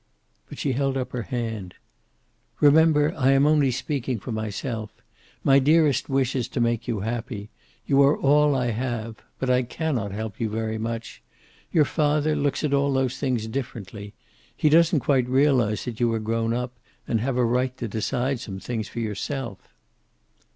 But she held up her hand. "Remember, I am only speaking for myself. My dearest wish is to make you happy. You are all I have. But I cannot help you very much. Your father looks at those things differently. He doesn't quite realize that you are grown up, and have a right to decide some things for yourself."